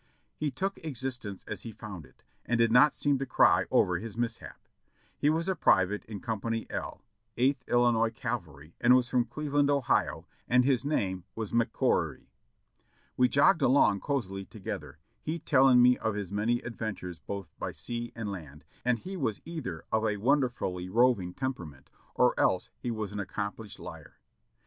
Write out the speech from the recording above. He took existence as he found it, and did not seem to cry over his mishap. He was a. private in Company L, Eighth IlHnois Cavalry, and was from Cleveland, Ohio, and his name was McCaughery. We jogged along cosily together, he telling me of his many adventures both by sea and land, and he was either of a won derfully roving temperament or else he was an accomplished liar.